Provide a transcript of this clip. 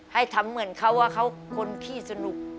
ให้ทำเหมือนเขาว่าเขาคนขี้สนุก